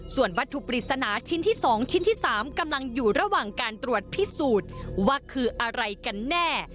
ส่วนวัตถุปริศนาชิ้นที่๒ชิ้นที่๓กำลังอยู่ระหว่างการตรวจพิสูจน์ว่าคืออะไรกันแน่